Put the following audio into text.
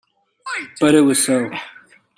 But it was so.